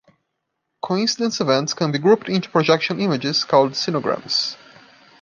Coincidence events can be grouped into projection images, called sinograms.